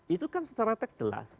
itu kan secara teks jelas